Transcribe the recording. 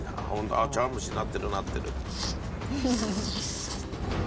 あっ茶碗蒸しになってるなってる。